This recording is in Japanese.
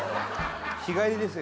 日帰りですよ